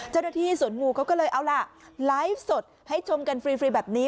เจ้าหน้าที่สวนงูเขาก็เลยเอาล่ะไลฟ์สดให้ชมกันฟรีแบบนี้